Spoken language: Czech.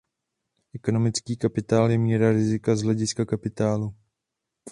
Ekonomický kapitál je míra rizika z hlediska kapitálu.